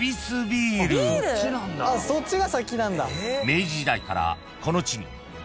［明治時代からこの地に］